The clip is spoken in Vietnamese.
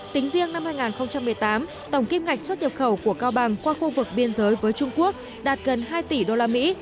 tính riêng năm hai nghìn một mươi tám tổng kim ngạch xuất nhập khẩu của cao bằng qua khu vực biên giới với trung quốc đạt gần hai tỷ đô la mỹ